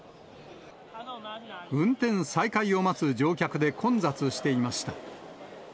運転再開を待つ乗客で混雑していました。